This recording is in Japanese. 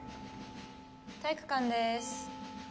体育館でーす。